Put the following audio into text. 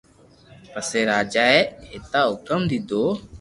پسي راجا اي اينآ ھڪم ديدو